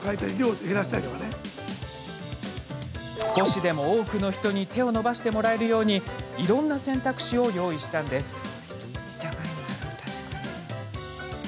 少しでも多くの人に手を伸ばしてもらえるようにいろんな選択肢を用意したんです。